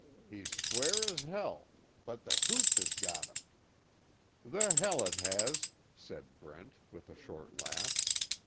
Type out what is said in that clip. He's square as hell but, the hooch has got him.'" "The hell it has," said Brent, with a short laugh.